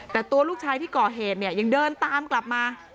แต่ตัวลูกชายที่ก่อเหตุเนี่ยยังเดินตามกลับมา